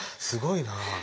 すごいなあ。